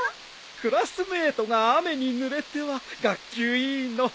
クラスメートが雨にぬれては学級委員の恥。